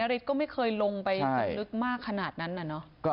ฤทธิ์ก็ไม่เคยลงไปลึกมากขนาดนั้นน่ะเนอะ